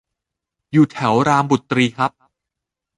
อยู่แถวรามบุตรีครับ